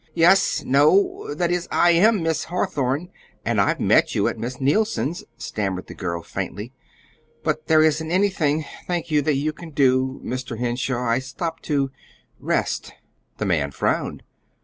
"Yes no that is, I AM Miss Hawthorn, and I've met you at Miss Neilson's," stammered the girl, faintly. "But there isn't anything, thank you, that you can do Mr. Henshaw. I stopped to rest." The man frowned.